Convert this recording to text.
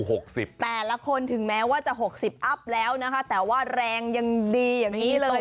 แต่ละคนถึงแม้ว่าจะหกสิบอัพแล้วนะคะแต่ว่าแรงยังดีอย่างนี้เลย